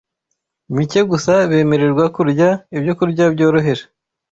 micye gusa bemererwa kurya ibyokurya byoroheje